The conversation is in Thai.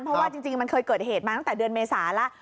เพราะว่าจริงมันเคยเกิดเหตุมาตั้งแต่เดือนเมษาแล้ว